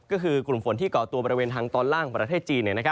ก็คือกลุ่มฝนที่เกาะตัวบริเวณทางตอนล่างประเทศจีน